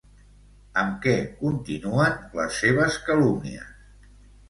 Amb què continuen les seves calúmnies?